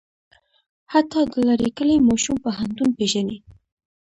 حتی د لرې کلي ماشوم پوهنتون پېژني.